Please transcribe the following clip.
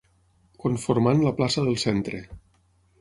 Conformant la plaça del centre.